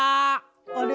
あれ？